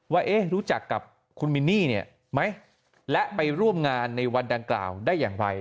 ว่ารู้จักกับคุณมินนี่เนี่ยไหมและไปร่วมงานในวันดังกล่าวได้อย่างไร